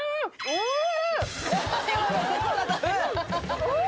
おいしい！